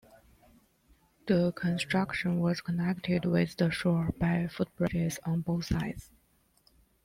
The construction was connected with the shore by footbridges on both sides.